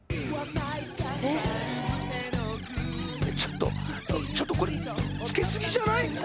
ちょっとちょっとこれつけすぎじゃない？